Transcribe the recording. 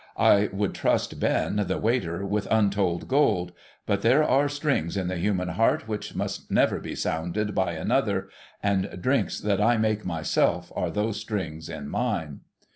I would trust Ben, the waiter, with untold gold ; but there are strings in the human heart which must never be sounded by another, and drinks that I make myself are those strings in mine.